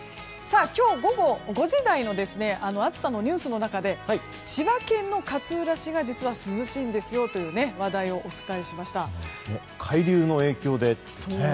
今日午後５時台の暑さのニュースの中で千葉県の勝浦市が実は涼しいんですよという海流の影響でと。